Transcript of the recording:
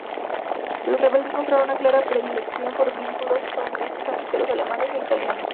Los rebeldes mostraron una clara predilección por vehículos estadounidenses antes que alemanes o italianos.